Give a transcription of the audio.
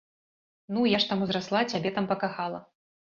Ну, я ж там узрасла, цябе там пакахала.